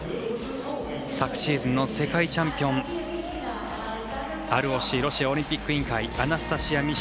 昨シーズンの世界チャンピオンＲＯＣ＝ロシアオリンピック委員会アナスタシヤ